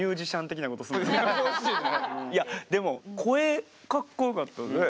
いやでも声かっこよかったね。